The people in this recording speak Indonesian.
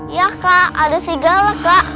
iya kak ada serigala kak